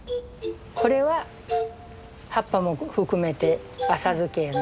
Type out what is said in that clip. これは葉っぱも含めて浅漬けやね。